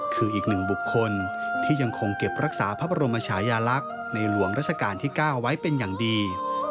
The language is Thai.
คืออีกหนึ่งบุคคลที่ยังคงเก็บรักษาพระบรมชายาลักษณ์ในหลวงราชการที่๙ไว้เป็นอย่างดี